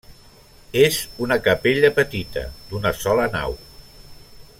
És una capella petita, d'una sola nau.